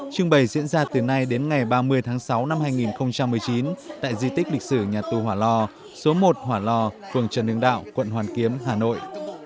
trưng bày diễn ra từ nay đến ngày ba mươi tháng sáu năm hai nghìn một mươi chín tại di tích lịch sử nhà tù hòa lo số một hòa lo phường trần đương đạo quận hoàn kiếm hà nội